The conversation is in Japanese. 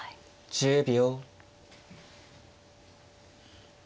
１０秒。